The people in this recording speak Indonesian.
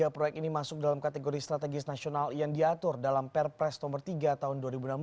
tiga proyek ini masuk dalam kategori strategis nasional yang diatur dalam perpres nomor tiga tahun dua ribu enam belas